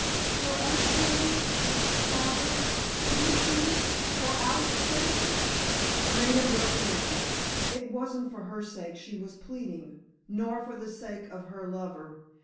"For us, then—father, can't you—for our sake——" Maida broke down. It wasn't for her sake she was pleading—nor for the sake of her lover.